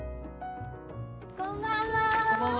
こんばんは。